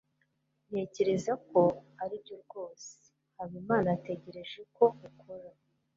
ntekereza ko aribyo rwose habimana ategereje ko ukora